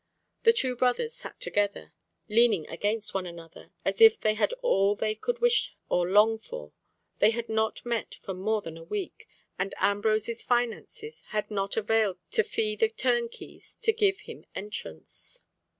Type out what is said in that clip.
The two brothers sat together, leaning against one another as if they had all that they could wish or long for. They had not met for more than a week, for Ambrose's finances had not availed to fee the turnkeys to give him entrance.